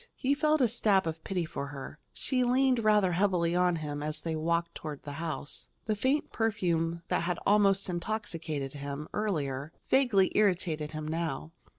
He felt a stab of pity for her. She leaned rather heavily on him as they walked toward the house. The faint perfume that had almost intoxicated him, earlier, vaguely irritated him now.